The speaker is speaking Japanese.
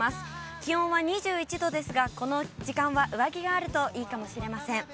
気温は２１度ですが、この時間は上着があるといいかもしれません。